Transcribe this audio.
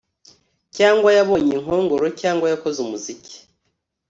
cyangwa yabonye inkongoro, cyangwa yakoze umuziki